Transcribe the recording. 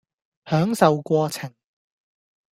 享受過程